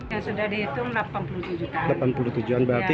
kakek biok menggunakan uang yang banyak